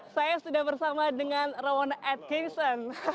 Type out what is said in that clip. saya sudah bersama dengan rowan edgerton